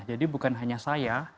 jadi bukan hanya saya